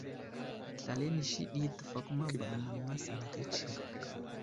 Slal inisi ɗi təfakuma ba anaŋ masalaka tsəhed.